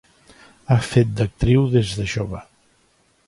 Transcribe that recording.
Ha fet d'actriu des de jove.